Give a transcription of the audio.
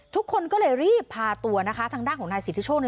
ทุกคนก็เลยรีบพาตัวนะคะทางด้านของนายสิทธิโชค